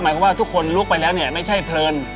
ว่าทุกคนลุกไปแล้วเนี่ยไม่ใช่เพลิน